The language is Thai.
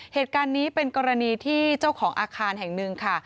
เหตุการณ์นี้เป็นกรณีที่เจ้าของอาคารแห่งหนึ่งค่ะ